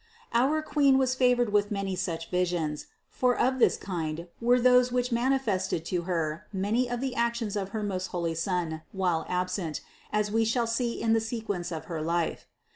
Our Queen was favored with many such visions, for of this kind were those which manifested to Her many of the actions of her most holy Son while absent, as we shall see in the sequence of her life (Part II, Chap. 23, 24, 25, Book V).